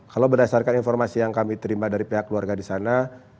kalau berdasarkan informasi yang kami terima dari pihak keluarga di sana